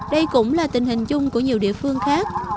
đây cũng là tình hình chung của nhiều địa phương khác